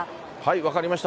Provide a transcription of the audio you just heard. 分かりました。